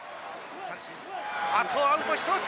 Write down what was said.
あとアウト１つ。